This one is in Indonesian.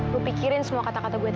lo pikirin semua kata kata gue tadi